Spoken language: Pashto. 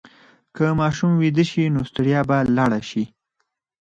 که ماشوم ویده شي، نو ستړیا به لاړه شي.